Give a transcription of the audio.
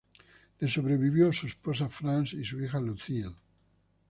Le sobrevivió su esposa, Frances, y su hija Lucille.